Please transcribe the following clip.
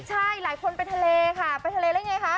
ใช่หลายคนไปทะเลค่ะไปทะเลได้ไงคะ